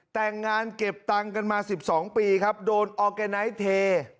แต่งงานเก็บตังค์กันมา๑๒ปีครับโดนออร์แกไนท์เท